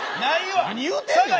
何言うてんねんお前。